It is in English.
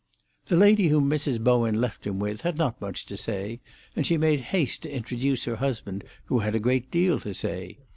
The lady whom Mrs. Bowen left him with had not much to say, and she made haste to introduce her husband, who had a great deal to say.